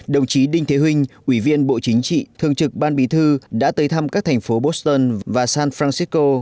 đồng chí đinh thế vinh ủy viên bộ chính trị thường trực ban bí thư đã tới thăm các thành phố boston và san francisco